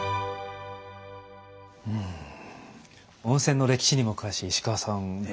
温泉の歴史にも詳しい石川さん